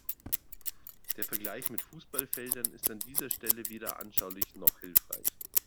Der Vergleich mit Fußballfeldern ist an dieser Stelle weder anschaulich noch hilfreich.